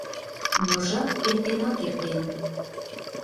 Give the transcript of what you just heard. Но жап эртенак эртен.